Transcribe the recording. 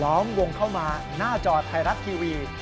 ้อมวงเข้ามาหน้าจอไทยรัฐทีวี